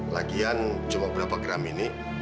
lagian cuma berapa gram ini